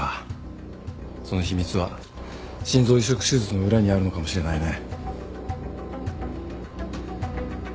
その秘密は心臓移植手術の裏にあるのかもしれないね。